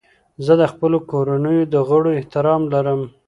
زه د خپلو کورنیو د غړو احترام لرم.